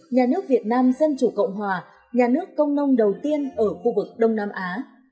nhà nước việt nam dân chủ cộng hòa nhà nước công nông đầu tiên ở khu vực đông nam á